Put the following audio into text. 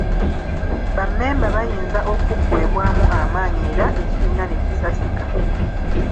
Bammemba bayinza okuggwebwamu amaanyi era ekibiina ne kisasika.